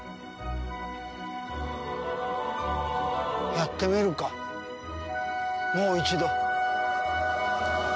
やってみるかもう一度。